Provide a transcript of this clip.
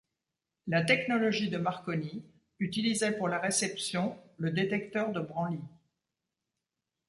La technologie de Marconi utilisait pour la réception le détecteur de Branly.